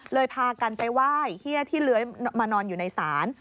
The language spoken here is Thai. พากันไปไหว้เฮียที่เลื้อยมานอนอยู่ในศาล